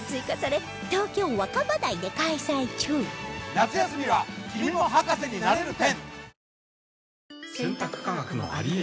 夏休みは「君も博士になれる展」！